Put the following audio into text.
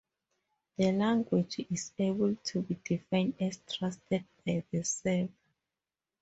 The language is able to be defined as trusted by the server.